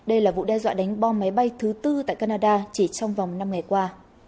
đây là vụ đe dọa đánh bom máy bay thứ bốn tại canada chỉ trong vòng năm ngày qua